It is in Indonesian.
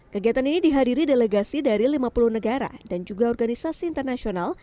kegiatan ini dihadiri delegasi dari lima puluh negara dan juga organisasi internasional